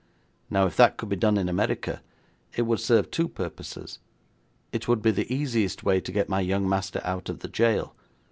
Now, if that could be done in America, it would serve two purposes. It would be the easiest way to get my young master out of the jail.